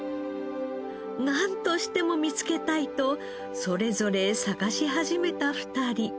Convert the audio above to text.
なんとしても見つけたいとそれぞれ探し始めた２人。